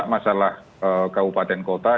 masalah kabupaten kota